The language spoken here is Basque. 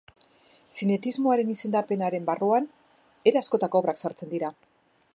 Zinetismoaren izendapenaren barruan era askotako obrak sartzen dira.